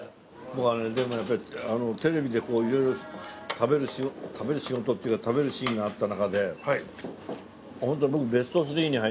僕はねでもやっぱりテレビでこう色々食べる仕事っていうか食べるシーンがあった中で。